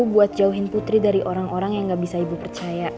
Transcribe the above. buat jauhin putri dari orang orang yang gak bisa ibu percaya